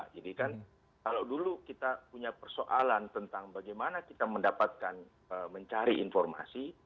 jadi kan kalau dulu kita punya persoalan tentang bagaimana kita mendapatkan mencari informasi